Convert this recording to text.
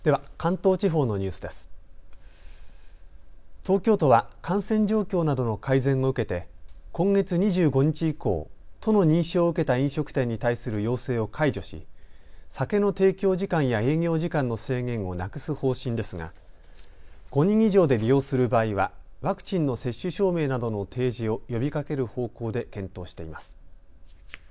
東京都は感染状況などの改善を受けて今月２５日以降、都の認証を受けた飲食店に対する要請を解除し酒の提供時間や営業時間の制限をなくす方針ですが５人以上で利用する場合はワクチンの接種証明などの提示を呼びかける方向で検討しています。